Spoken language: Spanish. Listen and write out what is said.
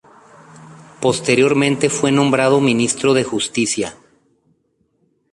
Posteriormente fue nombrado Ministro de Justicia.